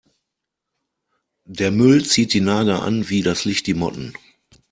Der Müll zieht die Nager an wie das Licht die Motten.